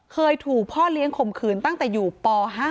เคยถูกพ่อเลี้ยงข่มขืนตั้งแต่อยู่ป๕